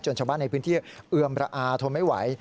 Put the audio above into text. ชาวบ้านในพื้นที่เอือมระอาทนไม่ไหว